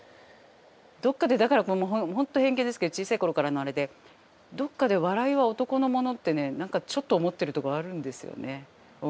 どっかでだから本当偏見ですけど小さい頃からのあれでどっかで笑いは男のものってね何かちょっと思ってるところあるんですよね。